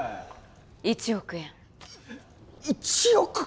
１億円いっ１億！？